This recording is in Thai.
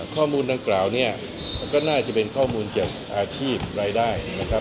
ข้อมูลต่างกล่าวนี้ก็น่าจะเป็นข้อมูลเกี่ยวกับอาชีพรายได้